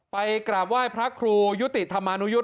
กราบไหว้พระครูยุติธรรมานุยุทธ์